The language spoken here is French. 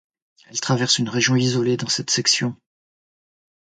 Elle traverse une région isolée dans cette section.